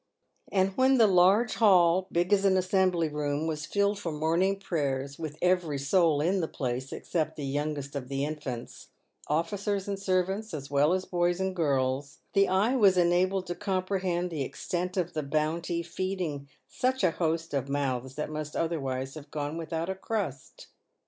And when the large hall, big as an assembly room, was filled for morning prayers with every soul in the place, except the youngest of the infants — officers and servants, as well as boys and girls — the eye was enabled to comprehend the extent of the bounty feeding such a host of mouths that must otherwise have gone without a crust.